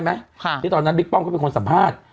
เมื่อก่อนนะบิ๊กปอมก็เป็นคนสัมภาส